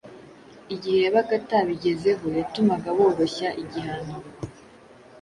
Igihe yabaga atabigezeho, yatumaga boroshya igihano.